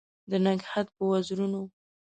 د نګهت په وزرونو